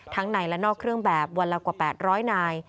ในและนอกเครื่องแบบวันละกว่า๘๐๐นาย